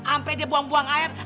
sampai dia buang buang air